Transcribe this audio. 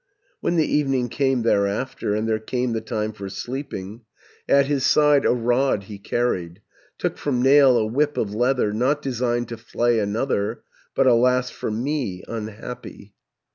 "When the evening came thereafter, And there came the time for sleeping, At his side a rod he carried, Took from nail a whip of leather, 710 Not designed to flay another, But alas, for me, unhappy.